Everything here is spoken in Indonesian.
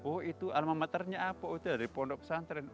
oh itu alma maternya apa oh itu dari pondok santren